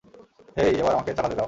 হেই, এবার আমাকে চালাতে দাও।